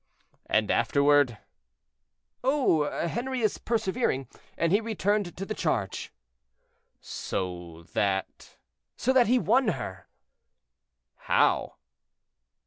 "And afterward?" "Oh! Henri is persevering, and he returned to the charge." "So that?" "So that he won her." "How?"